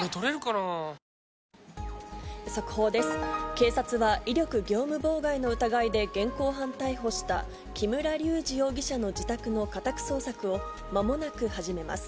警察は威力業務妨害の疑いで現行犯逮捕した、木村隆二容疑者の自宅の家宅捜索をまもなく始めます。